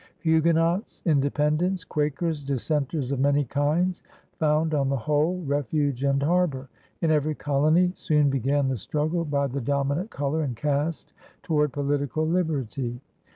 *' Huguenots, Independents, Quakers, dissenters of many kinds, found on the whole refuge and harbor. In every colony soon began the struggle by the dominant color and caste toward political liberty.